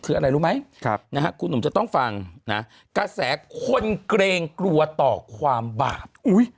คืออะไรรู้ไหมคุณหนุ่มจะต้องฟังนะกระแสคนเกรงกลัวต่อความบาป